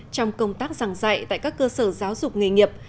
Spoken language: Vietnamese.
trong công tác giảng dạy tại các cơ sở giáo dục nghề nghiệp